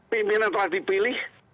pimpinan telah dipilih